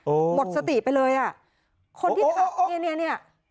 โอ้โหหมดสติไปเลยอ่ะคนที่ขับเนี่ยเนี้ยเนี้ย